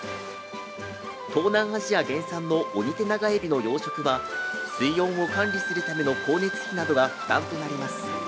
東南アジア原産のオニテナガエビの養殖は水温を管理するための光熱費などが負担となります。